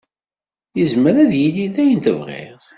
Yezmer ad yili d ayen tebɣiḍ.